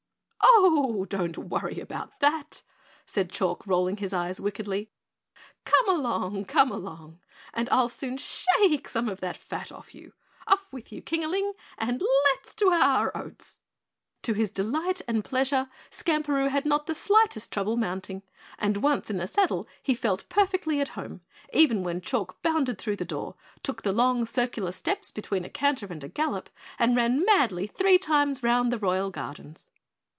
"Oh, don't worry about that," said Chalk, rolling his eyes wickedly. "Come along, come along, and I'll soon shake some of that fat off you. Up with you, Kingaling, and let's to our oats!" To his delight and pleasure, Skamperoo had not the slightest trouble mounting, and once in the saddle he felt perfectly at home, even when Chalk bounded through the door, took the long circular steps between a canter and a gallop, and ran madly three times round the Royal gardens.